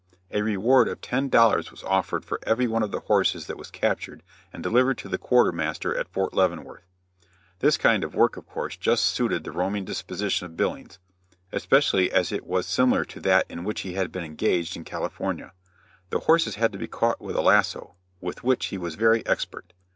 A reward of ten dollars was offered for every one of the horses that was captured and delivered to the quartermaster at Fort Leavenworth. This kind of work of course just suited the roaming disposition of Billings, especially as it was similar to that in which he had been engaged in California. The horses had to be caught with a lasso, with which he was very expert.